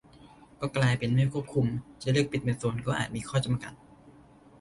ก็กลายเป็นไม่ควบคุม จะเลือกปิดเป็นโซน ก็อาจมีข้อจำกัด